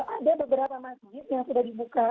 ada beberapa masjid yang sudah dibuka